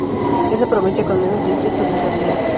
Es la provincia con menos distritos de Zambia.